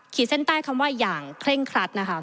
ขีดเส้นใต้คำว่าอย่างเคร่งคัด